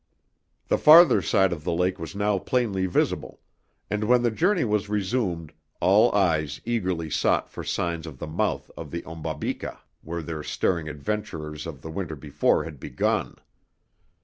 The farther side of the lake was now plainly visible, and when the journey was resumed all eyes eagerly sought for signs of the mouth of the Ombabika, where their stirring adventures of the winter before had begun.